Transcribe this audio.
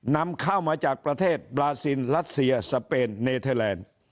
นำเข้ามาจากประเทศบราซินรัสเซียสเปนเนเทอร์แลนด์